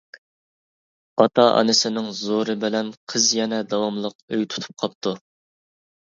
ئاتا-ئانىسىنىڭ زورى بىلەن قىز يەنە داۋاملىق ئۆي تۇتۇپ قاپتۇ.